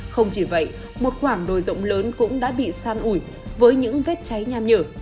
không chỉ vậy một khoảng đồi rộng lớn cũng đã bị san ủi với những vết cháy nham nhở